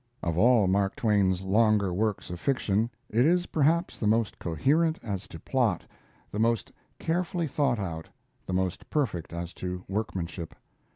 Of all Mark Twain's longer works of fiction it is perhaps the most coherent as to plot, the most carefully thought out, the most perfect as to workmanship.